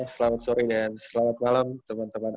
selamat sore dan selamat malam teman teman